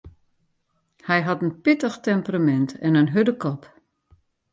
Hy hat in pittich temperamint en in hurde kop.